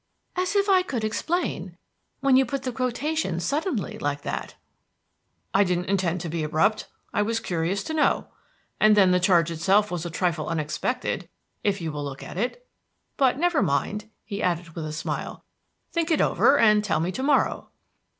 "As if I could explain when you put the quotation suddenly, like that." "I didn't intend to be abrupt. I was curious to know. And then the charge itself was a trifle unexpected, if you will look at it. But never mind," he added with a smile; "think it over, and tell me to morrow."